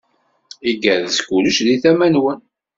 Igerrez kullec di tama-nwen.